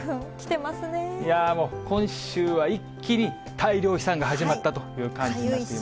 いやー、もう、今週は一気に大量飛散が始まったという感じになっています。